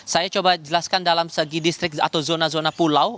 saya coba jelaskan dalam segi distrik atau zona zona pulau